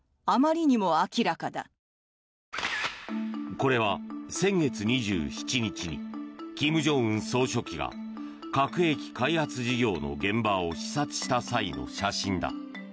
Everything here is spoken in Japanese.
これは、先月２７日に金正恩総書記が核兵器開発事業の現場を視察した際の写真だ。